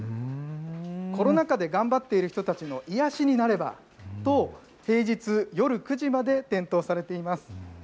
コロナ禍で頑張っている人たちの癒やしになればと、平日夜９時まで点灯されています。